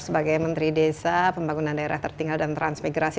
sebagai menteri desa pembangunan daerah tertinggal dan transmigrasi